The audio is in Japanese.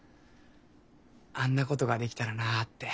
あんなことができたらなって。